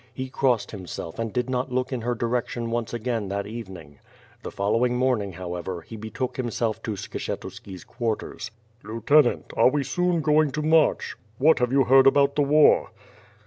He crossed himself and did not look in her direction once again that evening. The following morning, however, he betook himself to Skshetuski's quarters. "Lieutenant, are we soon going to march? What have you heard about the war?"